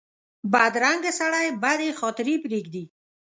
بدرنګه سړي بدې خاطرې پرېږدي